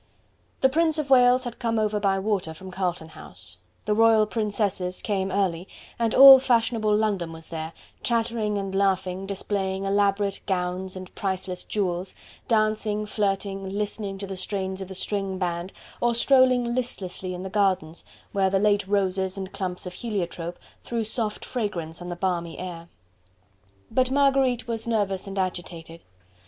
The Prince of Wales had come over by water from Carlton House; the Royal Princesses came early, and all fashionable London was there, chattering and laughing, displaying elaborate gowns and priceless jewels, dancing, flirting, listening to the strains of the string band, or strolling listlessly in the gardens, where the late roses and clumps of heliotrope threw soft fragrance on the balmy air. But Marguerite was nervous and agitated.